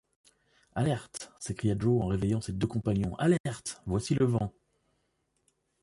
Alerte! s’écria Joe en réveillant ses deux compagnons ! alerte ! voici le vent.